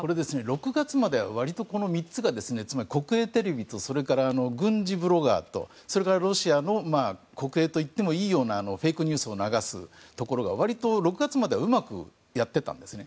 ６月までは割とこの３つがつまり、国営テレビと軍事ブロガーとそれからロシアの国営といってもいいようなフェイクニュースを流すところが割と６月まではうまくやっていたんですね。